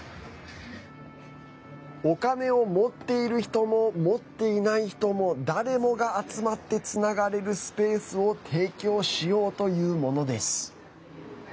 お金を持っている人も持っていない人も誰もが集まってつながれるスペースを提供しようというものです。